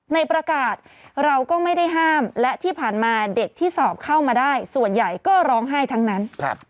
ในประกาศเราก็ไม่ได้ห้ามและที่ผ่านมาเด็กที่สอบเข้ามาได้ส่วนใหญ่ก็ร้องไห้ทั้งนั้น